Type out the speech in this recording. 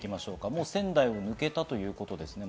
仙台を抜けたということですかね？